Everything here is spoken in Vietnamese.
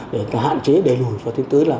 để hạn chế đẩy lùi và thêm tới là